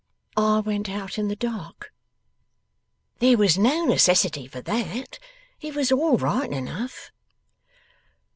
'I went out in the dark.' 'There was no necessity for that. It was all right enough.